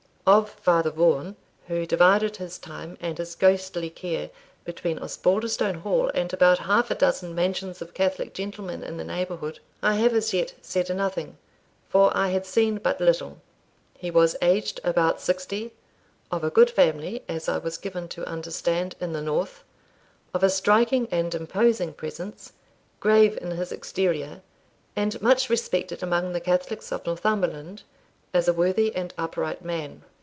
Of Father Vaughan, who divided his time and his ghostly care between Osbaldistone Hall and about half a dozen mansions of Catholic gentlemen in the neighbourhood, I have as yet said nothing, for I had seen but little. He was aged about sixty of a good family, as I was given to understand, in the north of a striking and imposing presence, grave in his exterior, and much respected among the Catholics of Northumberland as a worthy and upright man.